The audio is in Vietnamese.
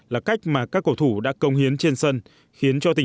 là cách mà các cổ thủ đã cơ hội